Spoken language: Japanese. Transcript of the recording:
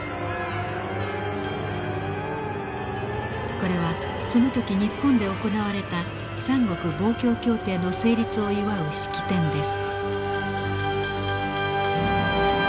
これはその時日本で行われた三国防共協定の成立を祝う式典です。